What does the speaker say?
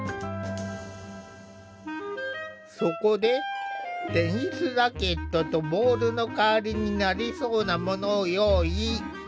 そこでテニスラケットとボールの代わりになりそうなものを用意。